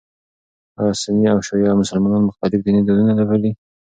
ایا سني او شیعه مسلمانان مختلف ديني دودونه پالي؟